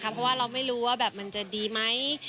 เพราะว่าเราไม่รู้ว่ามันจะดีไหม